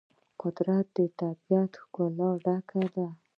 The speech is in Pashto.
قدرت د طبیعت له ښکلا ډک دی.